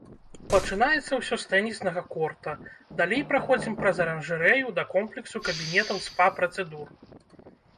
Пачынаецца ўсё з тэніснага корта, далей праходзім праз аранжарэю да комплексу кабінетаў спа-працэдур.